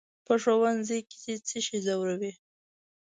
"په ښوونځي کې دې څه شی ځوروي؟"